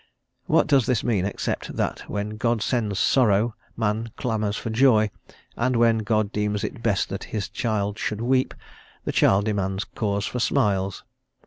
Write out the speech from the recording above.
What does this mean, except that when God sends sorrow, man clamours for joy, and when God deems it best that his child should weep, the child demands cause for smiles?